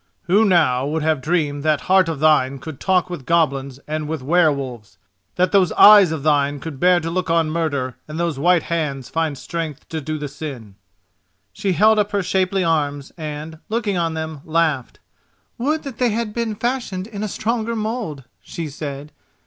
"Who now would have dreamed that heart of thine could talk with goblins and with were wolves—that those eyes of thine could bear to look on murder and those white hands find strength to do the sin?" She held up her shapely arms and, looking on them, laughed. "Would that they had been fashioned in a stronger mould," she said.